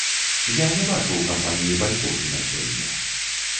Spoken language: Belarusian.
Я не бачу ў кампаніі байкоту на сёння.